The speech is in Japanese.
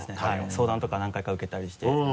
相談とか何回か受けたりして。